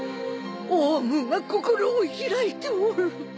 王蟲が心を開いておる。